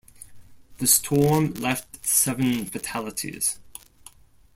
The storm left seven fatalities.